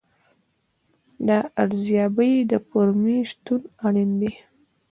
د ارزیابۍ د فورمې شتون اړین دی.